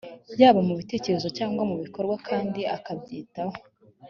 yaba mu bitekerezo cyangwa mu bikorwa kandi akabyitaho